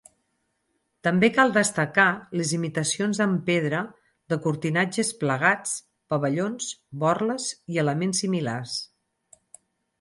També cal destacar les imitacions en pedra de cortinatges plegats, pavellons, borles i elements similars.